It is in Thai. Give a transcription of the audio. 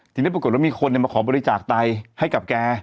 ทีนี้ปรากฏว่ามีคนมาขอบริจาคไตให้กับแก